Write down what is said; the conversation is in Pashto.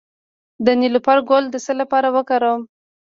د نیلوفر ګل د څه لپاره وکاروم؟